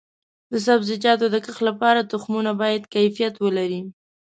د سبزیجاتو د کښت لپاره تخمونه باید کیفیت ولري.